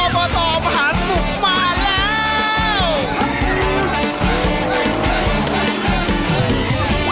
บตมหาสนุกมาแล้ว